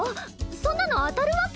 そんなの当たるわけ。